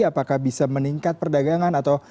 apakah bisa meningkat perdagangan atau